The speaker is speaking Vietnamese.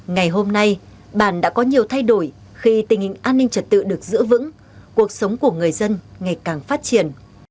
ngày hôm nay bản đã có nhiều thay đổi khi tình hình an ninh trật tự được giữ vững cuộc sống của người dân ngày càng phát triển